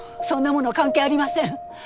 そんなもの関係ありません！